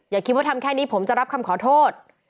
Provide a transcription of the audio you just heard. อย่าคิดว่าทำแค่นี้ผมจะรับคำขอโทษ